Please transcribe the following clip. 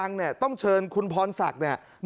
และก็มีการกินยาละลายริ่มเลือดแล้วก็ยาละลายขายมันมาเลยตลอดครับ